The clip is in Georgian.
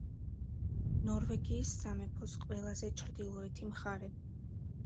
ნორვეგიის სამეფოს ყველაზე ჩრდილოეთი მხარე.